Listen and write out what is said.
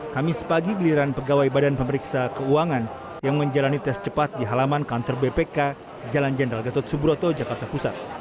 kamis pagi geliran pegawai badan pemeriksa keuangan yang menjalani tes cepat di halaman kantor bpk jalan jenderal gatot subroto jakarta pusat